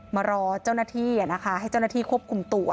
มารอเจ้าหน้าที่ให้เจ้าหน้าที่ควบคุมตัว